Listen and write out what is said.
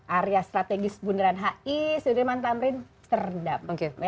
area strategis bundaran hi sudirman tamrin terendam